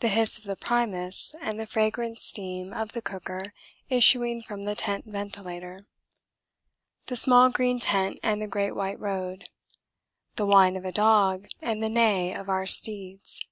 The hiss of the primus and the fragrant steam of the cooker issuing from the tent ventilator. The small green tent and the great white road. The whine of a dog and the neigh of our steeds.